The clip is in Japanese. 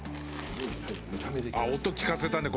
音聞かせたね